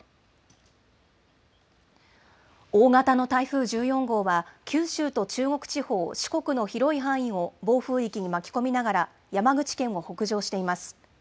大型の台風１４号は九州と中国地方、四国の広い範囲を暴風域に巻き込みながら山口県を北上しています。